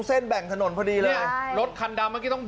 ชนแล้วได้ใช้ตรงนั้นก่อน